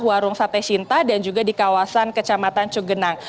di barung sate shinta dan juga di kawasan kecamatan cugenang